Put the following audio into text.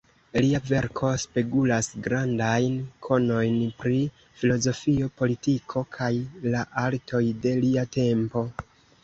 Lia verko spegulas grandajn konojn pri filozofio, politiko kaj la artoj de lia tempo.